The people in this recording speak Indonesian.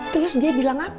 terus dia bilang apa